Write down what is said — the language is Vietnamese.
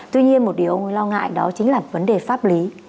tuy nhiên một điều ông lo ngại đó chính là vấn đề pháp lý